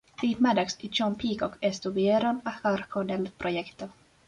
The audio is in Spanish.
Steve Maddox y John Peacock estuvieron a cargo del proyecto.